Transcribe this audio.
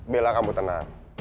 bella kamu tenang